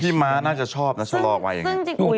พี่มาร์น่าจะชอบศราวิแรง